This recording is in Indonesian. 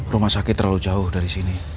rumah sakit terlalu jauh dari sini